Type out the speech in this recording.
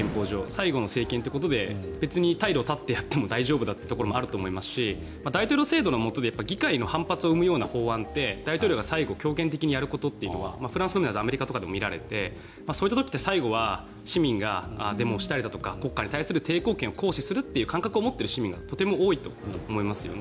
最後の政権ということで別に退路を断ってやっても大丈夫だというところもあると思いますし大統領制度のもとで議会の反発を生むような法案って大統領が最後、強権的にやることはフランスだけじゃなくアメリカでも見られてそういう時って最後は市民がデモをしたりだとか国家に対する抵抗権を行使するという感覚を持っている国民が多いと思いますよね。